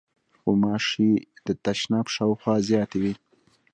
غوماشې د تشناب شاوخوا زیاتې وي.